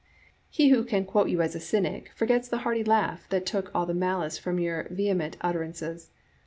He who can quote you as a C3mic forgets the hearty laugh that took all the malice from your vehement utterances.